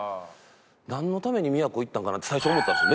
なんのために宮古行ったんかなって最初思ったんですよ。